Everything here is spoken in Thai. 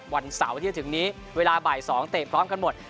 วันเสาร์ที่จะถึงนี้เวลาบ่าย๒เตะพร้อมกันหมด